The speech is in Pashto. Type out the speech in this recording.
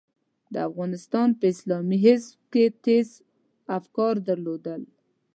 د افغانستان په اسلامي حزب کې مې تېز افکار درلودل.